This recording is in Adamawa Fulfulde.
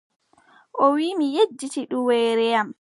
O wii, mi yejjiti duweere am.